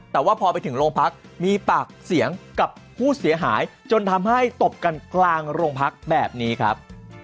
แต่ว่าพอไปถึงโรงพักมีปากเสียงกับผู้เสียหายจนทำให้ตบกันกลางโรงพักแบบนี้ครับ